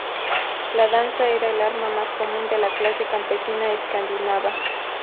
La lanza era el arma más común de la clase campesina escandinava.